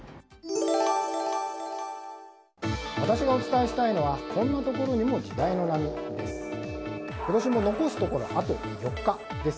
私がお伝えしたいのはこんなところにも時代の波です。